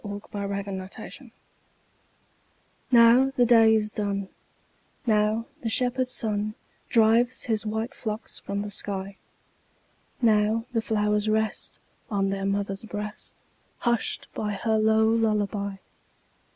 Louisa May Alcott Lullaby NOW the day is done, Now the shepherd sun Drives his white flocks from the sky; Now the flowers rest On their mother's breast, Hushed by her low lullaby.